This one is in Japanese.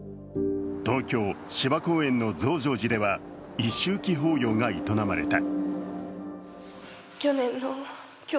東京・芝公園の増上寺では一周忌法要が営まれた。